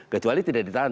kecuali tidak ditahan